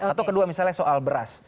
atau kedua misalnya soal beras